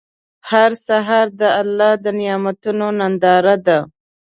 هر سهار د الله د نعمتونو ننداره ده.